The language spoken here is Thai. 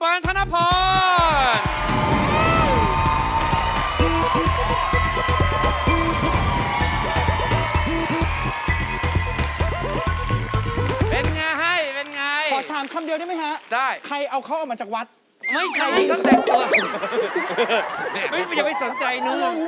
อารมณ์ร้อนบันคล่องขึ้น